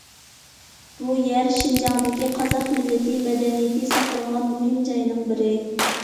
بۇ يەر شىنجاڭدىكى قازاق مىللىتى مەدەنىيىتى ساقلانغان مۇھىم جاينىڭ بىرى.